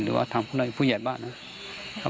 หรือว่าทางพวกนายผู้แยกบ้านนะครับ